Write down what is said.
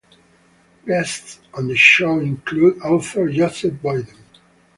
Guests on the show included author Joseph Boyden.